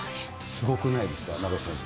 すごくないですか、名越先生。